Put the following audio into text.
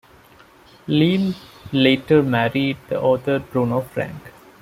Liesl later married the author Bruno Frank.